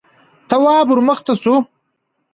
تواب ور مخته شو: